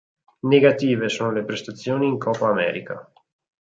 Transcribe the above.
Negative sono le prestazioni in Copa América.